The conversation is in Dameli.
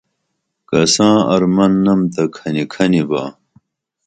کساں ارمن نم تہ کھنی کھنی با